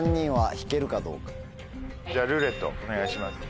じゃあ「ルーレット」お願いします。